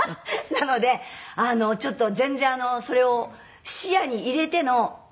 なのでちょっと全然それを視野に入れての人生